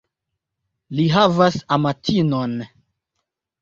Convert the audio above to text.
Li havas amatinon.